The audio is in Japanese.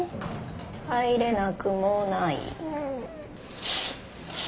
入れなくもない。